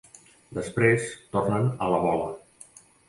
Després tornen a la bola.